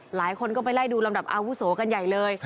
หลายคนก็ไปไล่ดูลำดับอาวุโสกันใหญ่เลย